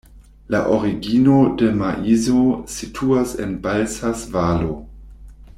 La origino de maizo situas en Balsas-Valo.